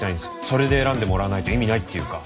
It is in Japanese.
それで選んでもらわないと意味ないっていうか。